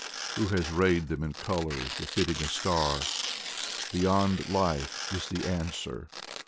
Who has rayed them in colors befitting a star? Beyond life is the answer.